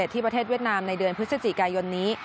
ที่ประเทศเวียดนามในเดือนพฤศจิกายนนี้